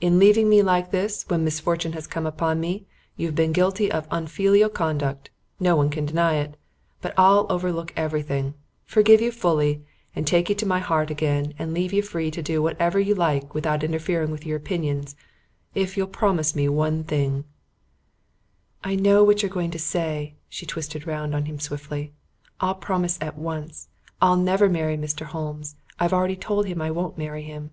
In leaving me like this, when misfortune has come upon me, you've been guilty of unfilial conduct no one can deny it. But I'll overlook everything, forgive you fully and take you to my heart again and leave you free to do whatever you like without interfering with your opinions, if you'll promise me one thing " "I know what you're going to say." She twisted round on him swiftly. "I'll promise at once. I'll never marry Mr. Holmes. I've already told him I won't marry him."